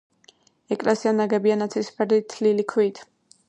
ეკლესია ნაგებია ნაცრისფერი თლილი ქვით.